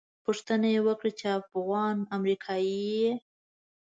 پوښتنه یې وکړه چې افغان امریکایي یې.